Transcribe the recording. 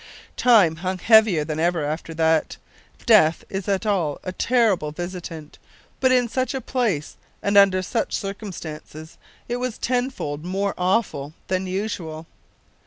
Time hung heavier than ever after that. Death is at all time a terrible visitant, but in such a place and under such circumstances it was tenfold more awful than usual.